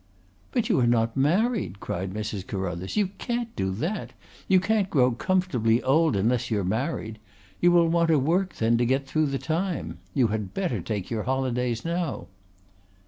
"But you are not married," cried Mrs. Carruthers. "You can't do that. You can't grow comfortably old unless you're married. You will want to work then to get through the time. You had better take your holidays now."